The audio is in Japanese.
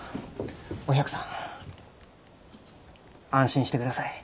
お百さん安心してください。